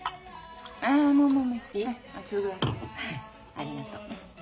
ありがとう。